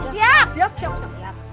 siap siap siap